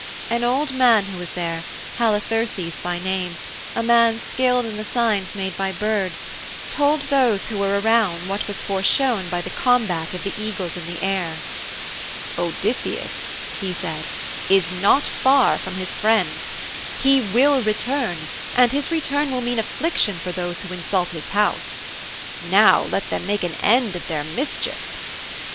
An old man who was there, Halitherses by name, a man skilled in the signs made by birds, told those who were around what was foreshown by the combat of the eagles in the air. 'Odysseus,' he said, 'is not far from his friends. He will return, and his return will mean affliction for those who insult his house. Now let them make an end of their mischief.'